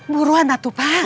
buruan lah tuh pak